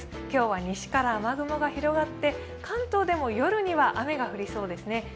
今日は西から雨雲が広がって関東でも夜には雨が降りそうですね。